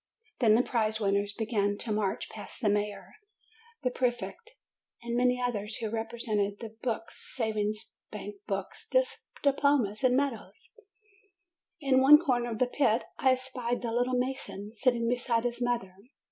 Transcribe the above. Then the prize winners began to 3 2 4 JUNE march past the mayor, the prefect, and ma'ny others, who presented them with books, savings bank books, diplomas, and medals. In 'one corner of the pit I espied the "little mason," sitting beside his mother.